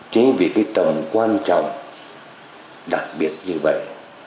chính vì cái tầm quan trọng đặc biệt như vậy